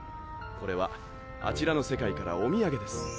これはあちらの世界からお土産です。